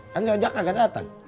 kan ojak agak dateng